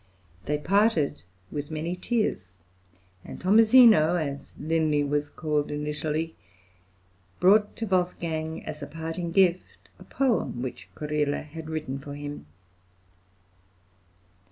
They parted with many tears, and Tommasino, as Linley was called in Italy, brought to Wolfgang, as a parting gift, a poem which Corilla had written for him.